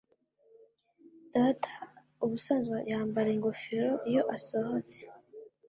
Data ubusanzwe yambara ingofero iyo asohotse